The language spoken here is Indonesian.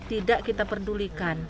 tidak kita pedulikan